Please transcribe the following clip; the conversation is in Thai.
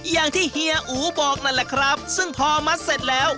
เฮียอู๋บอกนั่นแหละครับซึ่งพอมัดเสร็จแล้ว